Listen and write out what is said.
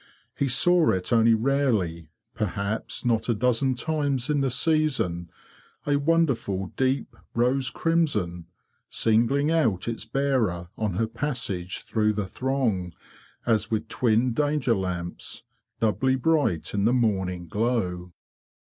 He saw it only rarely, perhaps not a dozen times i: the season—a wonderful deep rose crimson, singling out its bearer, on her passage through the throng, as with twin danger lamps, doubly bright in, the morning glow.